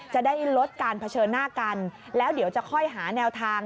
จะได้ลดการเผชิญหน้ากันแล้วเดี๋ยวจะค่อยหาแนวทาง